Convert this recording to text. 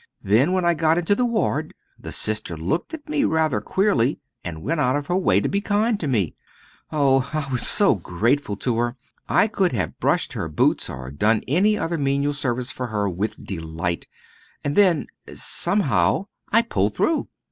Then when I got into the ward the Sister looked at me rather queerly and went out of her way to be kind to me. Oh! I was so grateful to her! I could have brushed her boots or done any other menial service for her with delight. And then somehow I pulled through.